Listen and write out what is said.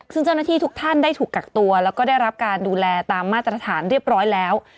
ซึ่งเจ้าหน้าที่ทุกท่านได้ถูกกักตัวแล้วก็ได้รับการดูแลตามมาตรฐานเรียบร้อยแล้ว